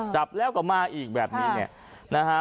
จับแล้วก็มาอีกแบบนี้เนี่ยนะฮะ